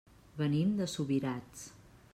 Venim de Subirats.